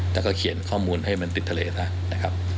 แล้วก็เขียนข้อมูลให้มันติดทะเลซะนะครับ